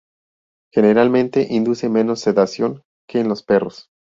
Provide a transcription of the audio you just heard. Generalmente, induce menos sedación que en los perros.